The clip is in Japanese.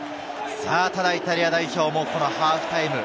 ただイタリア代表もハーフタイム。